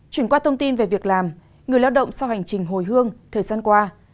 chuyển qua thông tin về việc làm người lao động sau hành trình hồi hương thời gian qua